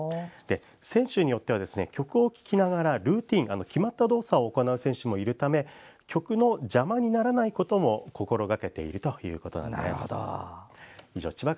選手によっては曲を聴きながらルーチン決まった動作を行うため曲の邪魔にならないことも心掛けてもいるそうです。